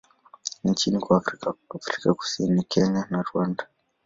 nchini kwa Afrika Afrika Kusini, Kenya na Rwanda.